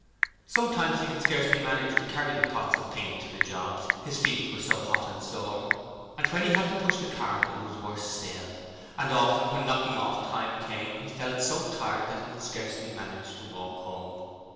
Sometimes he could scarcely manage to carry the pots of paint to the jobs; his feet were so hot and sore. When he had to push the cart it was worse still, and often when knocking off time came he felt so tired that he could scarcely manage to walk home.